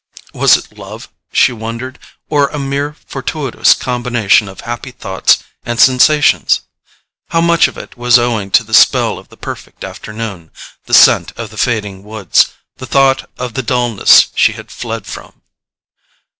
Was it love, she wondered, or a mere fortuitous combination of happy thoughts and sensations? How much of it was owing to the spell of the perfect afternoon, the scent of the fading woods, the thought of the dulness she had fled from?